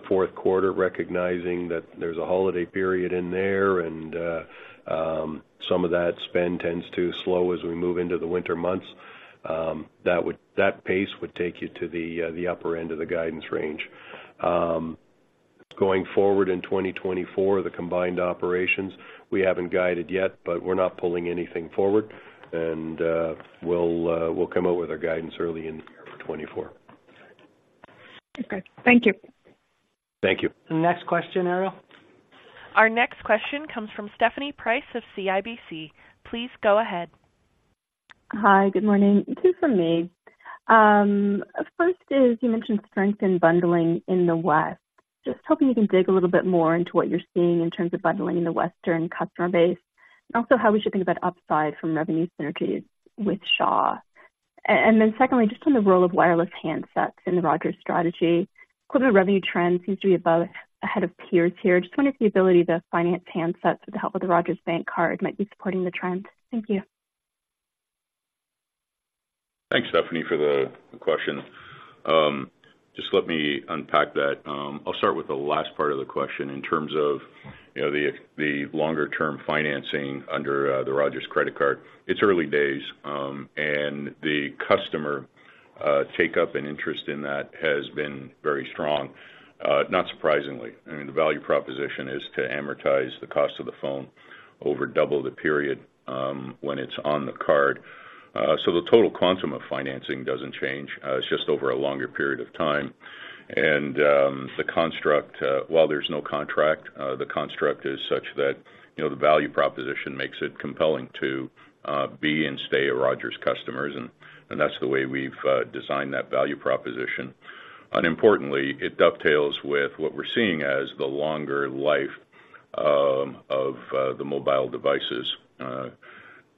fourth quarter, recognizing that there's a holiday period in there and some of that spend tends to slow as we move into the winter months, that would. That pace would take you to the upper end of the guidance range. Going forward in 2024, the combined operations, we haven't guided yet, but we're not pulling anything forward, and we'll come out with our guidance early in the year for 2024. Okay. Thank you. Thank you. Next question, Ariel. Our next question comes from Stephanie Price of CIBC. Please go ahead. Hi, good morning. Two from me. First is, you mentioned strength in bundling in the West. Just hoping you can dig a little bit more into what you're seeing in terms of bundling in the Western customer base, and also how we should think about upside from revenue synergies with Shaw. And then secondly, just on the role of wireless handsets in the Rogers strategy. Could revenue trends seems to be above ahead of peers here. Just wondering if the ability to finance handsets with the help of the Rogers Bank card might be supporting the trend? Thank you. Thanks, Stephanie, for the question. Just let me unpack that. I'll start with the last part of the question. In terms of, you know, the longer-term financing under the Rogers credit card, it's early days, and the customer take-up and interest in that has been very strong, not surprisingly. I mean, the value proposition is to amortize the cost of the phone over double the period, when it's on the card. So the total quantum of financing doesn't change, it's just over a longer period of time. The construct, while there's no contract, the construct is such that, you know, the value proposition makes it compelling to be and stay a Rogers customers, and that's the way we've designed that value proposition. Importantly, it dovetails with what we're seeing as the longer life of the mobile devices.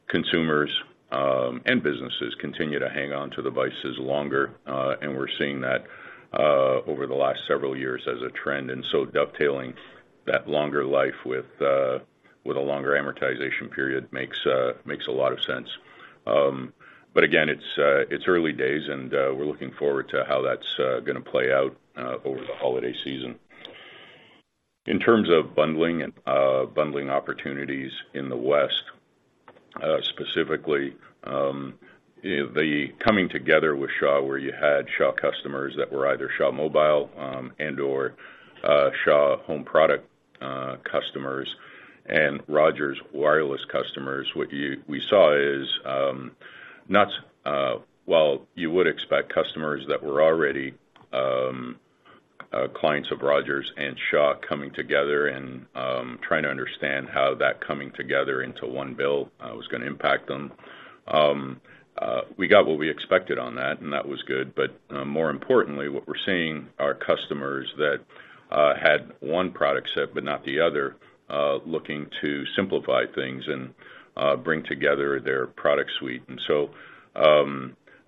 Consumers and businesses continue to hang on to devices longer, and we're seeing that over the last several years as a trend. And so dovetailing that longer life with with a longer amortization period makes makes a lot of sense. But again, it's early days, and we're looking forward to how that's gonna play out over the holiday season.... In terms of bundling and bundling opportunities in the West, specifically, the coming together with Shaw, where you had Shaw customers that were either Shaw Mobile, and/or, Shaw home product customers and Rogers wireless customers, what we saw is, not well, you would expect customers that were already clients of Rogers and Shaw coming together and trying to understand how that coming together into one bill was gonna impact them. We got what we expected on that, and that was good. But, more importantly, what we're seeing are customers that had one product set, but not the other, looking to simplify things and bring together their product suite. And so,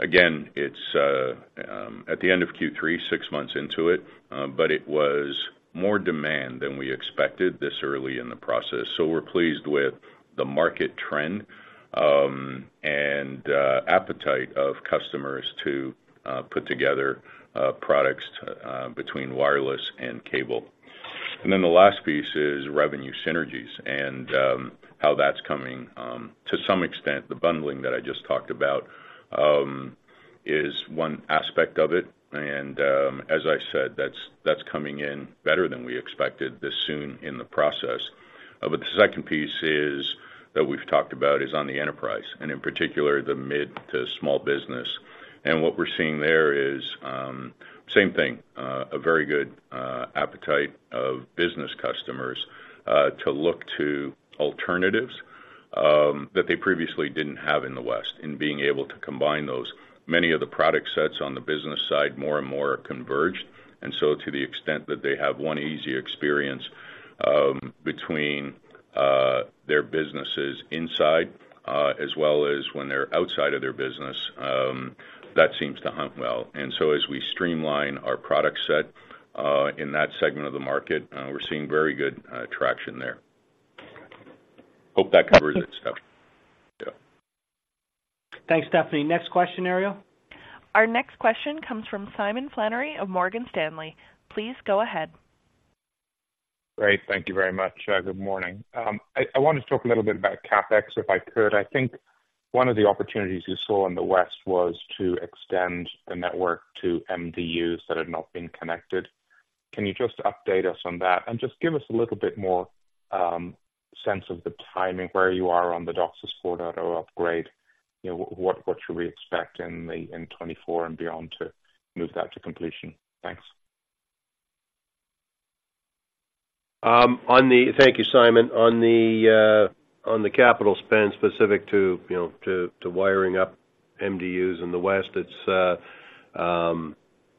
again, it's at the end of Q3, six months into it, but it was more demand than we expected this early in the process. So we're pleased with the market trend, and appetite of customers to put together products between wireless and cable. And then the last piece is revenue synergies and how that's coming. To some extent, the bundling that I just talked about is one aspect of it, and, as I said, that's coming in better than we expected this soon in the process. But the second piece is, that we've talked about, is on the enterprise, and in particular, the mid to small business. And what we're seeing there is, same thing, a very good, appetite of business customers, to look to alternatives, that they previously didn't have in the West, and being able to combine those. Many of the product sets on the business side, more and more are converged, and so to the extent that they have one easy experience, between, their businesses inside, as well as when they're outside of their business, that seems to hunt well. And so as we streamline our product set, in that segment of the market, we're seeing very good, traction there. Hope that covers it, Stephanie. Yeah. Thanks, Stephanie. Next question, Ariel. Our next question comes from Simon Flannery of Morgan Stanley. Please go ahead. Great. Thank you very much. Good morning. I wanted to talk a little bit about CapEx, if I could. I think one of the opportunities you saw in the West was to extend the network to MDUs that had not been connected. Can you just update us on that? And just give us a little bit more sense of the timing, where you are on the DOCSIS 4.0 upgrade. You know, what should we expect in the, in 2024 and beyond to move that to completion? Thanks. Thank you, Simon. On the capital spend specific to, you know, to wiring up MDUs in the West, it's,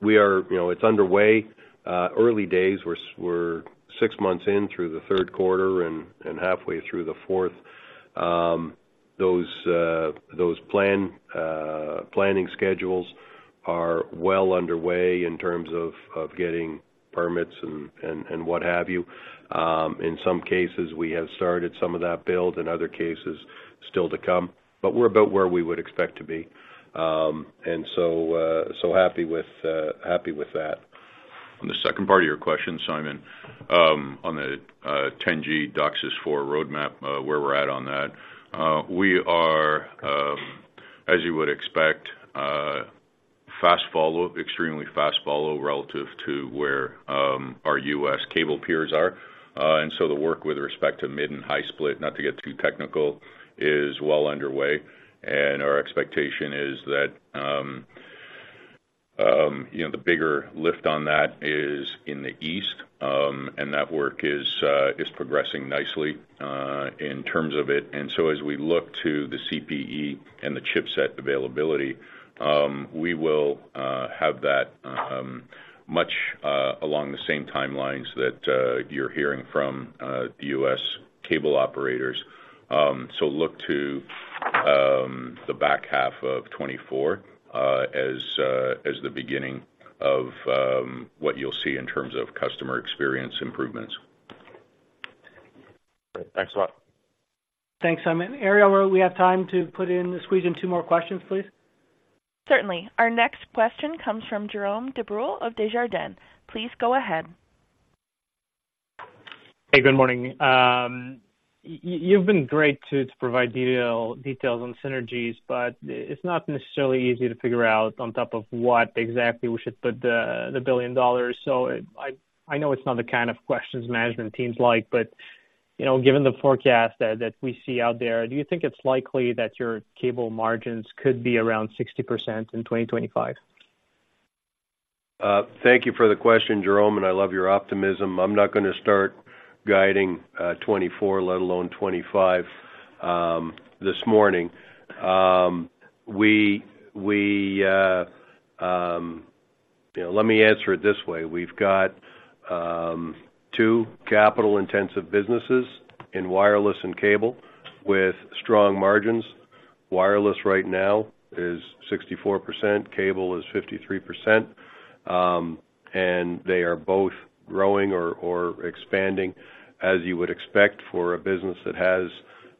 we are, you know, it's underway. Early days, we're six months in through the third quarter and halfway through the fourth. Those planning schedules are well underway in terms of getting permits and what have you. In some cases, we have started some of that build, in other cases, still to come. But we're about where we would expect to be, and so happy with that. On the second part of your question, Simon, on the 10G DOCSIS 4 roadmap, where we're at on that. We are, as you would expect, fast follow, extremely fast follow relative to where our U.S. cable peers are. And so the work with respect to mid and high split, not to get too technical, is well underway. And our expectation is that, you know, the bigger lift on that is in the East, and that work is progressing nicely, in terms of it. And so as we look to the CPE and the chipset availability, we will have that much along the same timelines that you're hearing from the U.S. cable operators. So look to the back half of 2024, as the beginning of what you'll see in terms of customer experience improvements. Great. Thanks a lot. Thanks, Simon. Ariel, we have time to put in, squeeze in two more questions, please. Certainly. Our next question comes from Jerome Dubreuil of Desjardins. Please go ahead. Hey, good morning. You've been great to provide details on synergies, but it's not necessarily easy to figure out on top of what exactly we should put the 1 billion dollars. So I know it's not the kind of questions management teams like, but you know, given the forecast that we see out there, do you think it's likely that your cable margins could be around 60% in 2025? Thank you for the question, Jerome, and I love your optimism. I'm not gonna start guiding 2024, let alone 2025, this morning. You know, let me answer it this way: We've got two capital-intensive businesses in wireless and cable with strong margins. Wireless right now is 64%, cable is 53%, and they are both growing or expanding. As you would expect for a business that has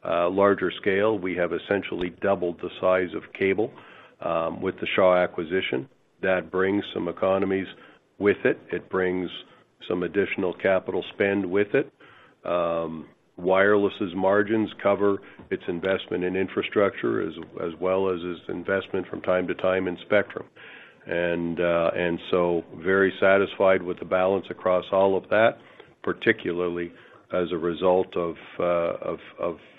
a larger scale, we have essentially doubled the size of cable with the Shaw acquisition, that brings some economies with it. It brings some additional capital spend with it. Wireless' margins cover its investment in infrastructure, as well as its investment from time to time in spectrum. And so very satisfied with the balance across all of that, particularly as a result of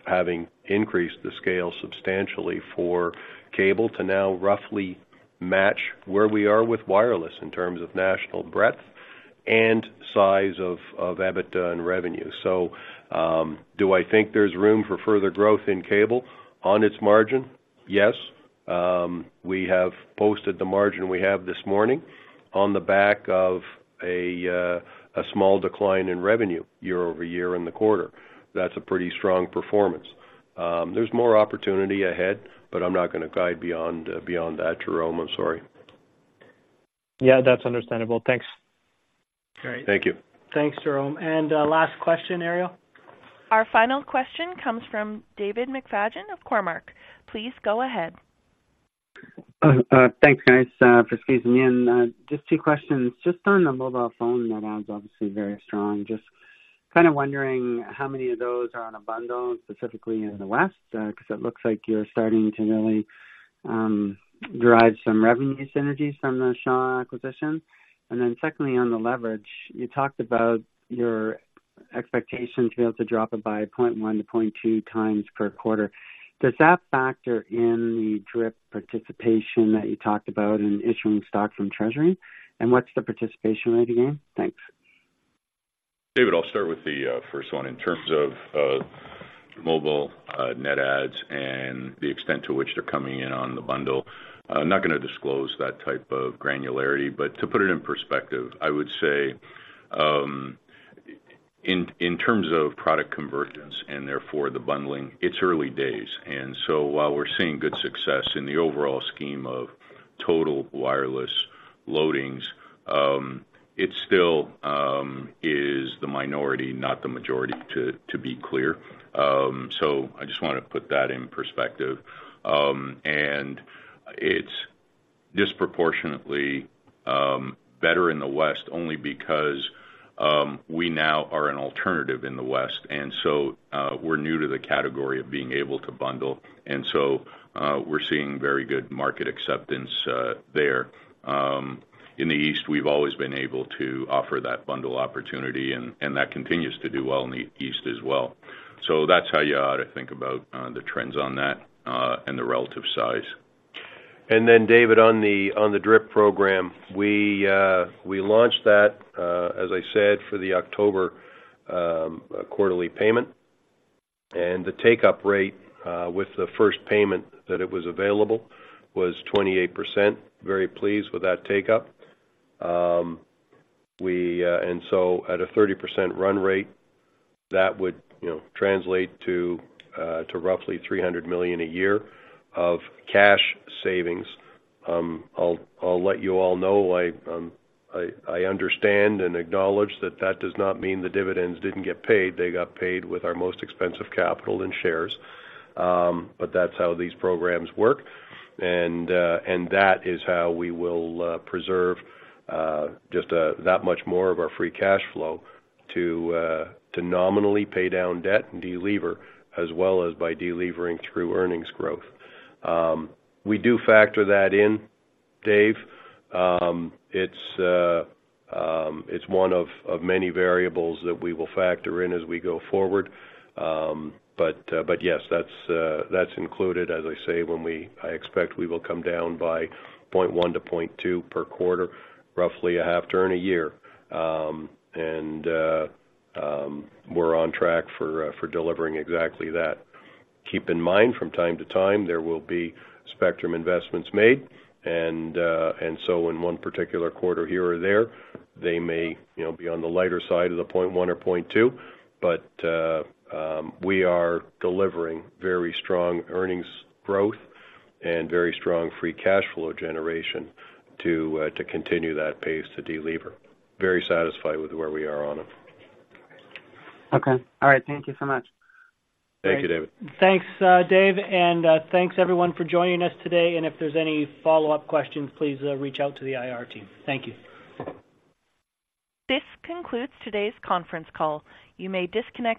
having increased the scale substantially for cable to now roughly match where we are with wireless in terms of national breadth and size of EBITDA and revenue. So, do I think there's room for further growth in cable on its margin? Yes. We have posted the margin we have this morning on the back of a small decline in revenue year-over-year in the quarter. That's a pretty strong performance. There's more opportunity ahead, but I'm not gonna guide beyond that, Jerome. I'm sorry. Yeah, that's understandable. Thanks. Great, thank you. Thanks, Jerome. And, last question, Ariel? Our final question comes from David McFadgen of Cormark. Please go ahead. Thanks, guys, for squeezing me in. Just two questions. Just on the mobile phone, net adds, obviously very strong. Just kind of wondering how many of those are on a bundle, specifically in the West, 'cause it looks like you're starting to really derive some revenue synergies from the Shaw acquisition. And then secondly, on the leverage, you talked about your expectation to be able to drop it by 0.1-0.2 times per quarter. Does that factor in the DRIP participation that you talked about in issuing stock from treasury? And what's the participation rate again? Thanks. David, I'll start with the first one. In terms of mobile net adds and the extent to which they're coming in on the bundle, I'm not gonna disclose that type of granularity, but to put it in perspective, I would say in terms of product convergence and therefore the bundling, it's early days. And so while we're seeing good success in the overall scheme of total wireless loadings, it still is the minority, not the majority, to be clear. So I just wanna put that in perspective. And it's disproportionately better in the West, only because we now are an alternative in the West, and so we're new to the category of being able to bundle, and so we're seeing very good market acceptance there. In the East, we've always been able to offer that bundle opportunity, and that continues to do well in the East as well. So that's how you ought to think about the trends on that, and the relative size. Then, David, on the DRIP program, we launched that, as I said, for the October quarterly payment. The take-up rate with the first payment that it was available was 28%. Very pleased with that take-up. And so at a 30% run rate, that would, you know, translate to roughly 300 million a year of cash savings. I'll let you all know, I understand and acknowledge that that does not mean the dividends didn't get paid. They got paid with our most expensive capital in shares, but that's how these programs work. That is how we will preserve just that much more of our free cash flow to nominally pay down debt and delever, as well as by delevering through earnings growth. We do factor that in, Dave. It's one of many variables that we will factor in as we go forward. But yes, that's included, as I say, when we, I expect we will come down by 0.1-0.2 per quarter, roughly 0.5 turn a year. And we're on track for delivering exactly that. Keep in mind, from time to time, there will be spectrum investments made, and, and so in one particular quarter here or there, they may, you know, be on the lighter side of the 0.1 or 0.2. But, we are delivering very strong earnings growth and very strong free cash flow generation to, to continue that pace to delever. Very satisfied with where we are on it. Okay. All right, thank you so much. Thank you, David. Thanks, Dave, and thanks, everyone, for joining us today. If there's any follow-up questions, please reach out to the IR team. Thank you. This concludes today's conference call. You may disconnect your-